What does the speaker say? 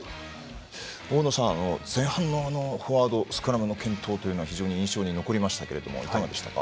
大野さん前半のフォワードスクラムの健闘は非常に印象に残りましたがいかがでしたか？